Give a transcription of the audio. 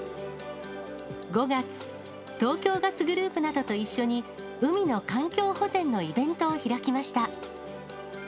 ５月、東京ガスグループなどと一緒に、海の環境保全のイベントを開きました。